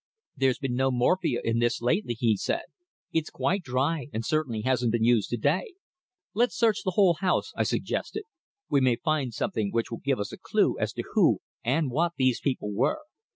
"There's been no morphia in this lately," he said. "It's quite dry, and certainly hasn't been used to day." "Let's search the whole house," I suggested. "We may find something which will give us a clue as to who and what these people were.